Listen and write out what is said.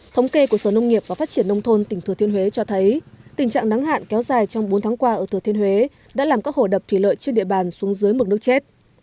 thống kê của sở nông nghiệp và phát triển nông thôn tỉnh thừa thiên huế cho thấy tình trạng nắng hạn kéo dài trong bốn tháng qua ở thừa thiên huế đã làm các hồ đập thủy lợi trên địa bàn xuống dưới mực nước chết